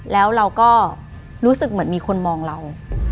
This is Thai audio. แล้วเราก็รู้สึกเหมือนมีคนมองเรา